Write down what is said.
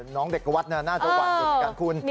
น้องเด็กวัดน่าจะหวั่นอยู่เหมือนกันคุณ